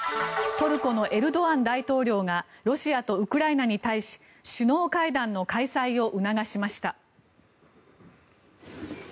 トルコのエルドアン大統領がロシアとウクライナに対し首脳会談の開催を促しました。